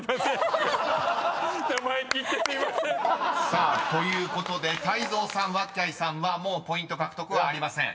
［さあということで泰造さんわっきゃいさんはもうポイント獲得はありません。